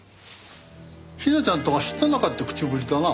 雛ちゃんとは知った仲って口ぶりだな。